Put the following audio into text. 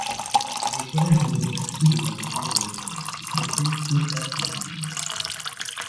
Le collège ne possède plus de mobilier d'origine excepté deux taques de cheminée.